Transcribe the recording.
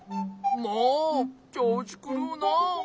もうちょうしくるうなあ。